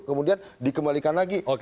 kemudian dikembalikan lagi